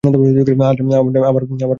আমার ভয় সেখানেই।